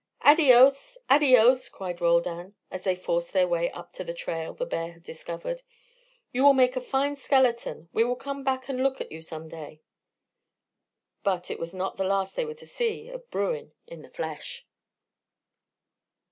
"Adios! Adios!" cried Roldan, as they forced their way up to the trail the bear had discovered. "You will make a fine skeleton; we will come back and look at you some day." But it was not the last they were to see of Bruin in the flesh.